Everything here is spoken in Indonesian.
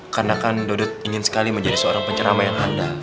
karena kan dodot ingin sekali menjadi seorang pencerama yang handal